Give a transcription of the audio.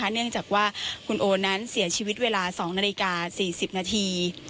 เนื่องจากว่าคุณโอนั้นเสียชีวิตเวลา๒นาฬิกา๔๐นาที